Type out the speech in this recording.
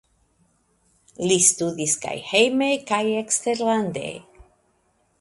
Li studis kaj hejme kaj eksterlande.